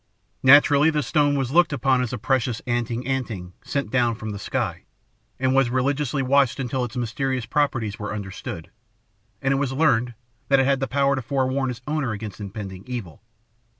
Naturally the stone was looked upon as a precious 'anting anting,' sent down from the sky, and was religiously watched until its mysterious properties were understood, and it was learned that it had the power to forewarn its owner against impending evil.